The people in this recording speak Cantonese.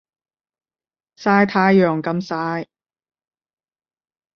曬太陽咁曬